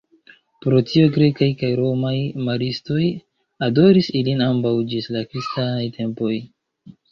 Pro tio grekaj kaj romaj maristoj adoris ilin ambaŭ ĝis la kristanaj tempoj.